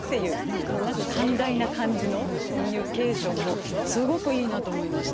この何か寛大な感じのコミュニケーションもすごくいいなと思いました。